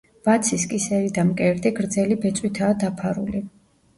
ვაცის კისერი და მკერდი გრძელი ბეწვითაა დაფარული.